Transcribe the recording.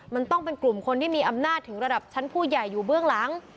มันต้องเป็นกลุ่มคนที่มีอำนาจถึงระดับชั้นผู้ใหญ่อยู่เบื้องหลัง